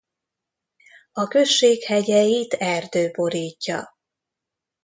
A község hegyeit erdő borítja.